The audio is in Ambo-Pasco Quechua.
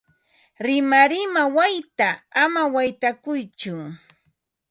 Rimarima wayta ama waytakuytsu.